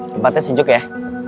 tempatnya sinjuk ya